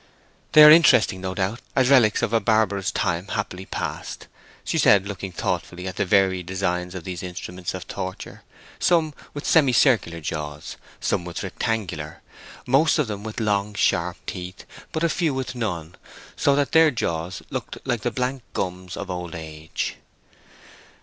"They are interesting, no doubt, as relics of a barbarous time happily past," she said, looking thoughtfully at the varied designs of these instruments of torture—some with semi circular jaws, some with rectangular; most of them with long, sharp teeth, but a few with none, so that their jaws looked like the blank gums of old age.